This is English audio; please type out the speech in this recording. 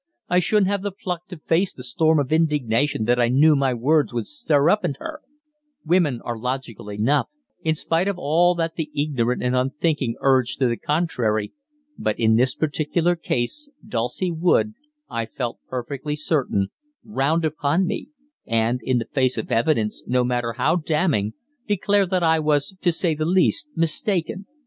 I shouldn't have the pluck to face the storm of indignation that I knew my words would stir up in her women are logical enough, in spite of all that the ignorant and unthinking urge to the contrary, but in this particular case Dulcie would, I felt perfectly certain, "round" upon me, and, in the face of evidence, no matter how damning, declare that I was, to say the least, mistaken.